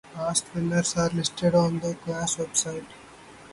Past winners are listed on the class website.